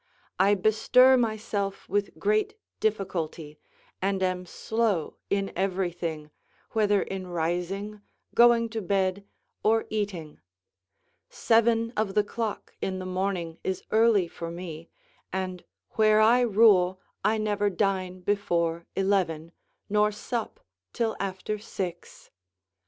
I bestir myself with great difficulty, and am slow in everything, whether in rising, going to bed, or eating: seven of the clock in the morning is early for me, and where I rule, I never dine before eleven, nor sup till after six.